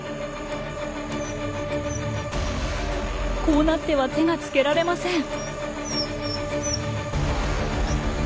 こうなっては手がつけられません。